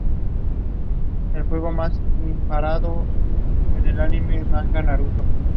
Logrando los hermanos escapar del alcance de los Shi'ar.